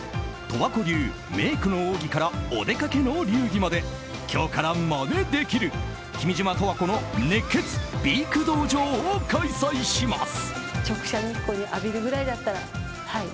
十和子流メイクの奥義からお出かけの流儀まで今日からまねできる君島十和子の熱血美育道場を開催します。